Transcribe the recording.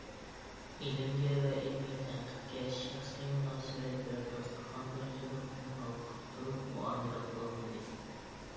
ئىلىمگە ۋە ئىلمىي تەنقىدكە شەخسىي مۇناسىۋەت ۋە داستىخاندارچىلىقتىن ھالقىپ تۇرۇپ مۇئامىلە قىلالمىدى.